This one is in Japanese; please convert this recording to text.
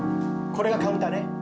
これがカウンターね。